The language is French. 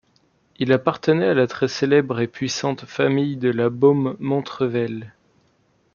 Il appartenait à la très célèbre et puissante famille de La Baume-Montrevel.